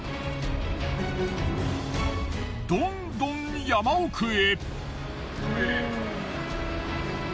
どんどん山奥へ。